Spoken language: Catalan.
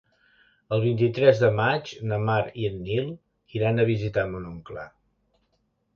El vint-i-tres de maig na Mar i en Nil iran a visitar mon oncle.